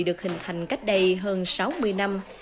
được hình thành cách đây hơn sáu mươi năm